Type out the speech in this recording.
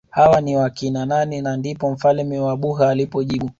Hawa ni wakina nani na ndipo mfalme wa Buha alipojibu